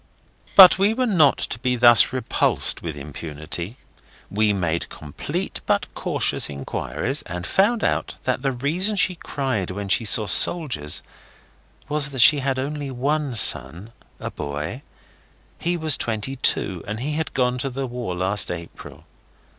But we were not to be thus repulsed with impunity. We made complete but cautious inquiries, and found out that the reason she cried when she saw soldiers was that she had only one son, a boy. He was twenty two, and he had gone to the War last April.